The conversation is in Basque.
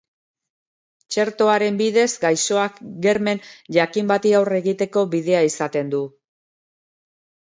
Txertoaren bidez gaixoak germen jakin bati aurre egiteko bidea izaten du.